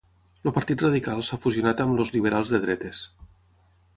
El Partit Radical s'ha fusionat amb els liberals de dretes.